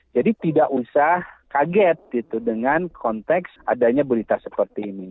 jadi tidak usah kaget gitu dengan konteks adanya berita seperti ini